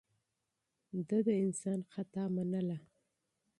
ده د انسان خطا منله.